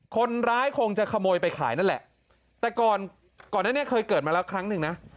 คนร้ายคงจะขโมยไปขายนั่นแหละแต่ก่อนก่อนนั้นเนี่ยเคยเกิดมาแล้วครั้งหนึ่งนะ